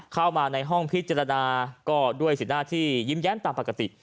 เข้ามาในห้องพิจารณาก็ด้วยสีหน้าที่ยิ้มแย้มตามปกติ